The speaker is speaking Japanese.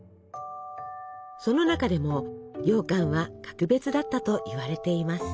その中でもようかんは格別だったといわれています。